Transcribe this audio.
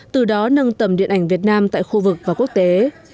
từ đó nâng tầm điện ảnh việt nam tại khu vực và quốc tế